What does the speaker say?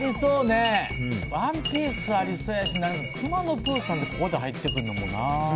「ＯＮＥＰＩＥＣＥ」ありそうやし「くまのプーさん」がここで入ってくるのもな。